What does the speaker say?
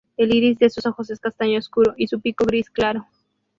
El iris de sus ojos es castaño oscuro y su pico gris claro.